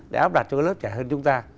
để áp đặt cho lớp trẻ hơn chúng ta